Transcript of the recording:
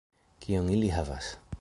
Kion ili havas